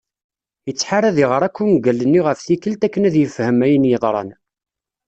ettḥar ad iɣar akk ungal-nni ɣef tikkelt akken ad yefhem ayen yeḍran.